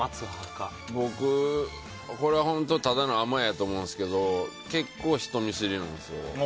僕、これは本当ただの甘えやと思うんですけど結構、人見知りなんですよ。